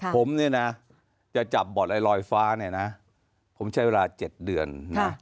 ผมเนี่ยนะจะจับบ่อนไอลอยฟ้าเนี่ยนะผมใช้เวลา๗เดือนนะ